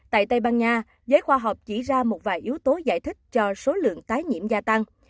tại tây ban nha giới khoa học chỉ ra một vài yếu tố giải thích cho số lượng tái nhiễm gia tăng